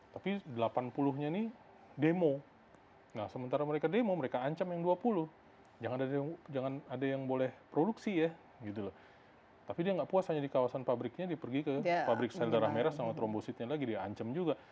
tapi delapan puluh nya ini demo nah sementara mereka demo mereka ancam yang dua puluh jangan ada yang boleh produksi ya gitu loh tapi dia nggak puas hanya di kawasan pabriknya dia pergi ke pabrik sel darah merah sama trombositnya lagi dia ancam juga